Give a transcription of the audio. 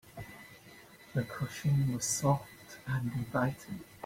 The cushion was soft and inviting.